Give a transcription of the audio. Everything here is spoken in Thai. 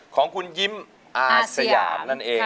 ของคุณยิมอาสยาม